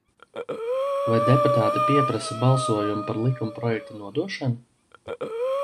Vai deputāti pieprasa balsojumu par likumprojekta nodošanu?